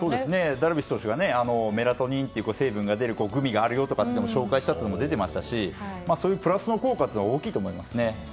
ダルビッシュ投手がメラトニンという成分が出るグミがあるよと紹介したのも出ていましたしプラスの効果は大きいと思います。